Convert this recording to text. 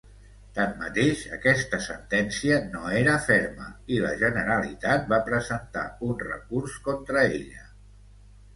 Tanmateix, aquesta sentència no era ferma i la Generalitat va presentar un recurs contra ella.